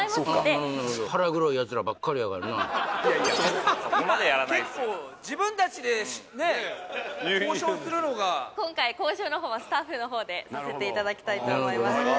結構自分たちでね交渉するのが今回交渉の方はスタッフの方でさせていただきたいと思います